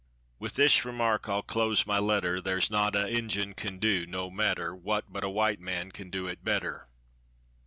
With this remark I'll close my letter: "Thar's nought a Injun can do no matter What but a white man can do it better."